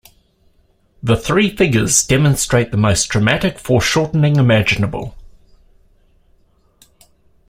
The three figures demonstrate the most dramatic foreshortening imaginable.